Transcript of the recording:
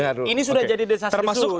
ini sudah jadi desastrisu